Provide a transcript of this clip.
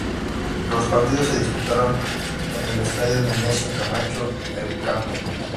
Los partidos se disputaron en el Estadio Nemesio Camacho El Campín.